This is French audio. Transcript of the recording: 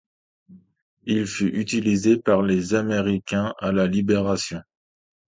Il fut utilisé par les Américains à la Libération.